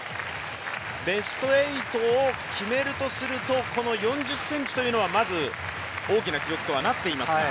ベスト８を決めるとすると、この４０ｃｍというのはまず大きな記録となっていますが。